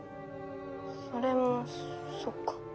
それもそっか。